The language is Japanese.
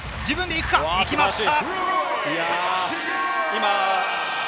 行きました。